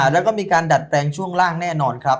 แล้วก็มีการดัดแปลงช่วงล่างแน่นอนครับ